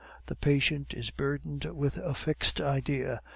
The patient is burdened with a fixed idea.